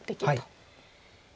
はい。